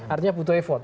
artinya butuh effort